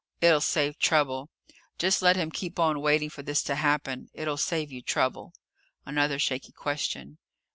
It'll save trouble. Just let him keep on waiting for this to happen. It'll save you trouble." Another shaky question.